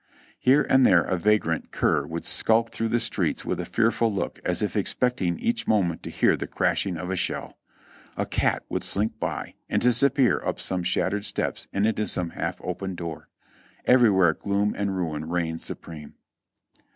Here and there a vagrant cur would skulk through the streets with a fearful look as if ex pecting each moment to hear the crashing of a shell. A cat would slink by and disappear up some shattered steps and into some half open door. Everywhere gloom and ruin reigned supreme.